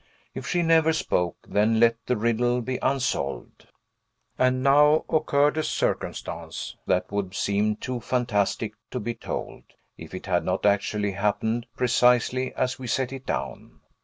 If she never spoke, then let the riddle be unsolved. And now occurred a circumstance that would seem too fantastic to be told, if it had not actually happened, precisely as we set it down.